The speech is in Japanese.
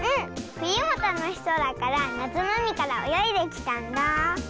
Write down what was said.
ふゆもたのしそうだからなつのうみからおよいできたんだ。